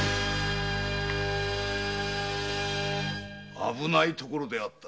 危ないところだった。